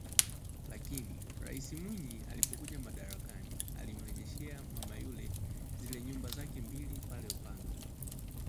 Lakini Rais Mwinyi alipokuja madarakani alimrejeshea mama yule zile nyumba zake mbili pale Upanga